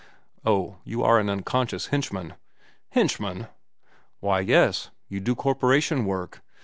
"Oh, you are an unconscious henchman." "Henchman?" "Why, yes. You do corporation work.